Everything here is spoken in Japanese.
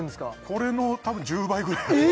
これの多分１０倍ぐらいえ！